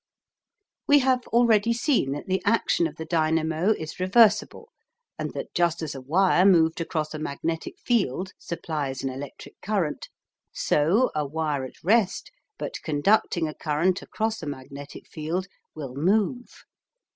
We have already seen that the action of the dynamo is reversible, and that just as a wire moved across a magnetic field supplies an electric current, so a wire at rest, but conducting a current across a magnetic field, will move.